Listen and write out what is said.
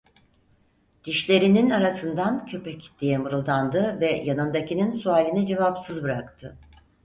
Dişlerinin arasından: "Köpek!" diye mırıldandı ve yanındakinin sualini cevapsız bıraktı.